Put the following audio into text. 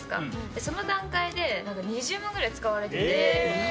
その段階で、２０万ぐらい使われてて。